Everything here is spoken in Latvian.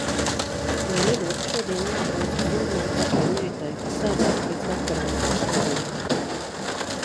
Ja nebūtu šodien jābrauc uz Jūrmalu pakaļ meitai, sēdētu līdz vakaram arī šodien.